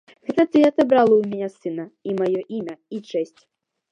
Гэта ты адабрала ў мяне сына і маё імя і чэсць!